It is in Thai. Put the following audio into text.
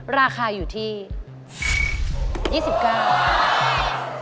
ราคาอยู่ที่๒๙บาท